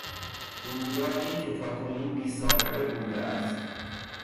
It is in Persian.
رویدادی که تاکنون بیسابقه بوده است